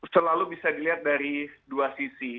selalu bisa dilihat dari dua sisi